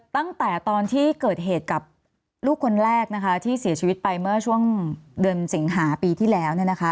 ตั้งแต่ตอนที่เกิดเหตุกับลูกคนแรกนะคะที่เสียชีวิตไปเมื่อช่วงเดือนสิงหาปีที่แล้ว